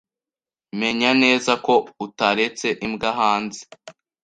Menya neza ko utaretse imbwa hanze.